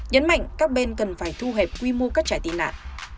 nhấn mạnh các bên cần phải thu hẹp quy mô các trại tị nạn